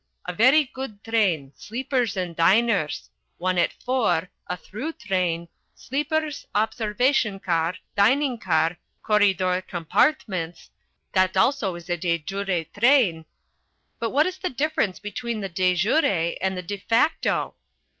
A very good train sleepers and diners one at four, a through train sleepers, observation car, dining car, corridor compartments that also is a de jure train " "But what is the difference between the de jure and the _de facto?